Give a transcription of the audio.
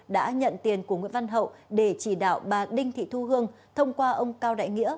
đã nhận tiền của nguyễn văn hậu để chỉ đạo bà đinh thị thu hương thông qua ông cao đại nghĩa